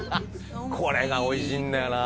これがおいしいんだよな